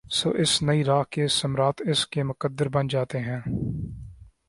تو اس نئی راہ کے ثمرات اس کا مقدر بن جاتے ہیں ۔